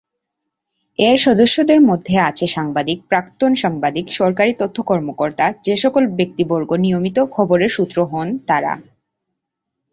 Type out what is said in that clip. এর সদস্যদের মধ্যে আছে সাংবাদিক, প্রাক্তন সাংবাদিক, সরকারি তথ্য কর্মকর্তা, যেসকল ব্যক্তিবর্গ নিয়মিত খবরের সূত্র হন, তারা।